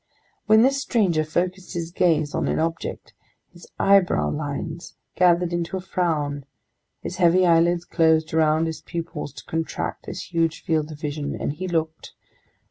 When this stranger focused his gaze on an object, his eyebrow lines gathered into a frown, his heavy eyelids closed around his pupils to contract his huge field of vision, and he looked!